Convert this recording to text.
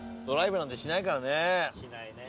しないねぇ。